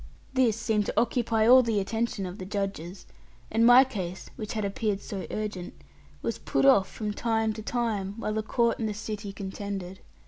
This seemed to occupy all the attention of the judges, and my case (which had appeared so urgent) was put off from time to time, while the Court and the City contended.